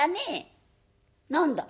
「何だ？」。